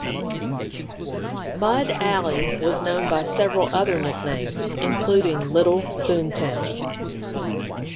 "Mud Alley" was known by several other nicknames, including "Little Boomtown".